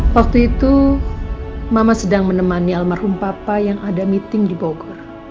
waktu itu mama sedang menemani almarhum papa yang ada meeting di bogor